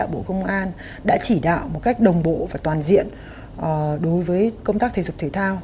bộ công an đã chỉ đạo một cách đồng bộ và toàn diện đối với công tác thể dục thể thao